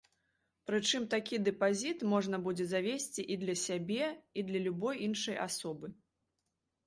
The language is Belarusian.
Прычым такі дэпазіт можна будзе завесці і для сябе, і для любой іншай асобы.